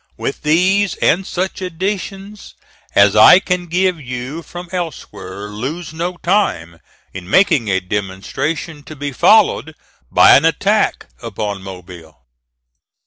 With these and such additions as I can give you from elsewhere, lose no time in making a demonstration, to be followed by an attack upon Mobile.